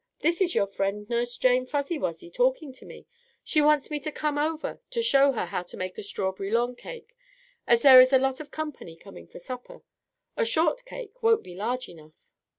This is your friend Nurse Jane Fuzzy Wuzzy talking to me. She wants me to come over to show her how to make a strawberry longcake, as there is a lot of company coming for supper. A short cake won't be large enough."